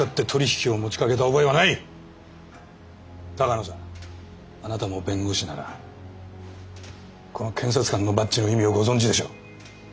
鷹野さんあなたも弁護士ならこの検察官のバッチの意味をご存じでしょう？